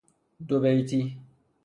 دو بیتی